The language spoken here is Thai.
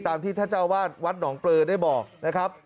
ที่ท่านเจ้าวาดวัดหนองปลือได้บอกนะครับ